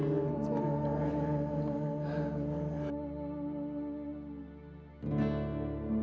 maafkan santian pak lex